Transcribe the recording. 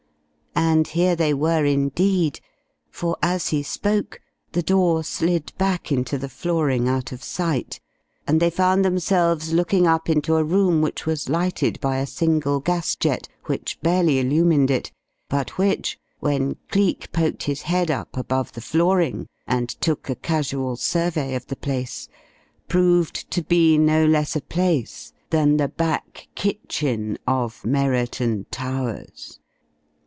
And here they were, indeed, for as he spoke, the door slid back into the flooring out of sight, and they found themselves looking up into a room which was lighted by a single gas jet, which barely illumined it, but which, when Cleek poked his head up above the flooring and took a casual survey of the place proved to be no less a place than the back kitchen of Merriton Towers!